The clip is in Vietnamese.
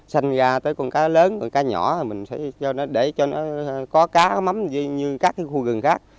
sanh ra tới con cá lớn con cá nhỏ để cho nó có cá có mắm như các khu rừng khác